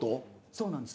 そうなんです。